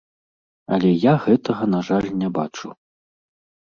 Але я гэтага, на жаль, не бачу.